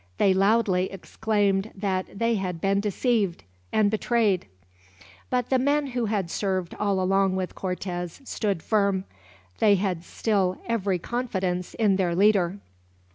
They loudly exclaimed that they had been deceived, and betrayed. But the men who had served all along with Cortez stood firm. They had still every confidence in their leader.